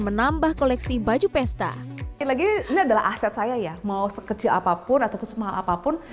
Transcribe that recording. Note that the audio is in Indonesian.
menambah koleksi baju pesta ini lagi ini adalah aset saya ya mau sekecil apapun ataupun semahal apapun